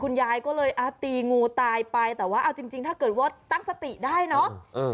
ยายก็เลยตีงูตายไปแต่ว่าเอาจริงถ้าเกิดว่าตั้งสติได้เนอะ